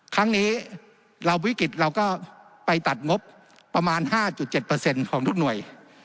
ครั้งนี้เราวิกฤตเราก็ไปตัดงบประมาณห้าจุดเจ็ดเปอร์เซ็นต์ของทุกหน่วย